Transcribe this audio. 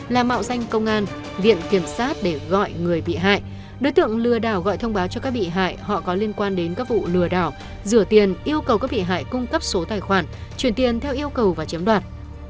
là mạo danh công an viện kiểm sát để gọi người bị hại đối tượng lừa đảo gọi thông báo cho các bị hại họ có liên quan đến các vụ lừa đảo rửa tiền yêu cầu các bị hại cung cấp số tài khoản chuyển tiền theo yêu cầu và chiếm đoạt